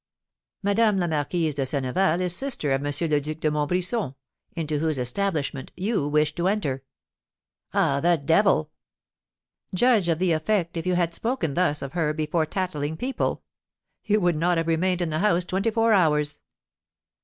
"Madame la Marquise de Senneval is sister of M. le Duc de Montbrison, into whose establishment you wish to enter." "Ah, the devil!" "Judge of the effect if you had spoken thus of her before tattling people! You would not have remained in the house twenty four hours."